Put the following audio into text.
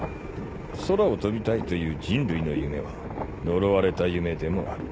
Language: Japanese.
空を飛びたいという人類の夢は呪われた夢でもある。